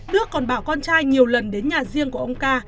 đức còn bảo con trai nhiều lần đến nhà riêng của ông ca